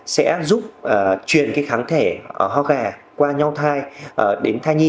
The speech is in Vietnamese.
sẽ giúp truyền kháng thể hoa gà qua nhóm